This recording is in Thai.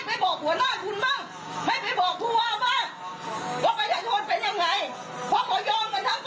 มันถึงเป็นอย่างนี้